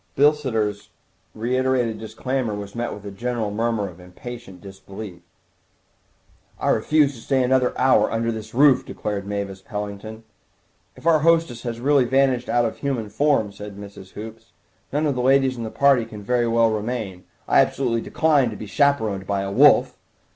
Bilsiter's reiterated disclaimer was met with a general murmur of impatient disbelief. "I refuse to stay another hour under this roof," declared Mavis Pellington. "If our hostess has really vanished out of human form," said Mrs. Hoops, "none of the ladies of the party can very well remain. I absolutely decline to be chaperoned by a wolf!"